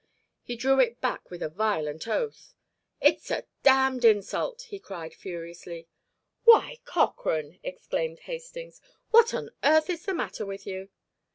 He drew it back with a violent oath. "It's a damned insult!" he cried furiously. "Why, Cochrane!" exclaimed Hastings, "what on earth is the matter with you?"